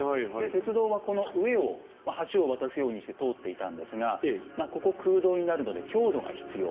鉄道はこの上を橋を渡すようにして通っていたんですがここ空洞になるので強度が必要。